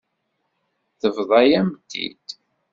Tebḍa-yam-t-id.